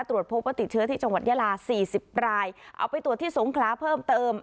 ตรวจพบว่าติดเชื้อที่จังหวัดยาลาสี่สิบรายเอาไปตรวจที่สงคราเพิ่มเติม